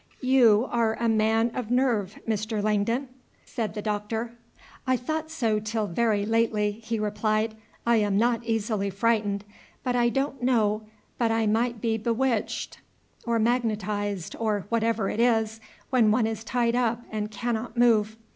"You are a man of nerve, Mr. Langdon?" said the Doctor. "I thought so till very lately," he replied. "I am not easily frightened, but I don't know but I might be bewitched or magnetized, or whatever it is when one is tied up and cannot move.